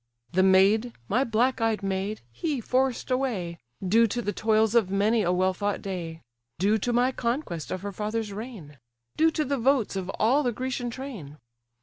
The maid, my black eyed maid, he forced away, Due to the toils of many a well fought day; Due to my conquest of her father's reign; Due to the votes of all the Grecian train.